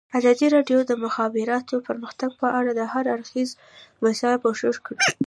ازادي راډیو د د مخابراتو پرمختګ په اړه د هر اړخیزو مسایلو پوښښ کړی.